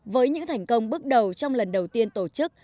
với những thành công bước đầu trong lần đầu tiên tổ chức